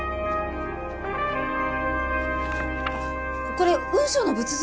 これ雲尚の仏像？